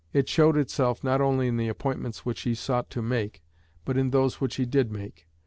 It showed itself not only in the appointments which he sought to make but in those which he did make.